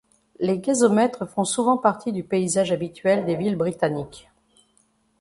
Les gazomètres font souvent partie du paysage habituel des villes britanniques.